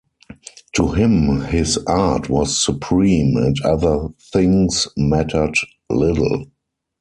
To him his art was supreme and other things mattered little.